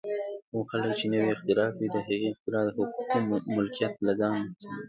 کوم خلک چې نوې اختراع کوي، د هغې اختراع د حقوقو ملکیت له ځان